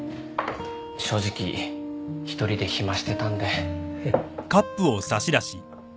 正直１人で暇してたんで。